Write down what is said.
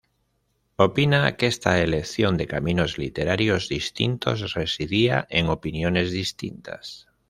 Opina que esta elección de caminos literarios distintos residía en opiniones distintas.